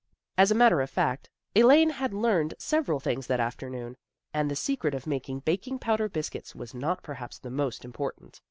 As a matter of fact, Elaine had learned sev eral things that afternoon, and the secret of making baking powder biscuits was not perhaps the most important.